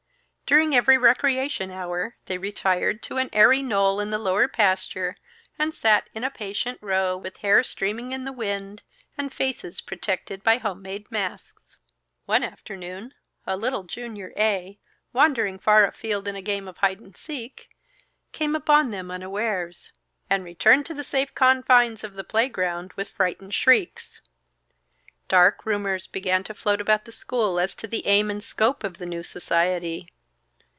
During every recreation hour, they retired to an airy knoll in the lower pasture, and sat in a patient row, with hair streaming in the wind, and faces protected by homemade masks. One afternoon, a little Junior A, wandering far afield in a game of hide and seek, came upon them unawares; and returned to the safe confines of the playground with frightened shrieks. Dark rumors began to float about the school as to the aim and scope of the new society.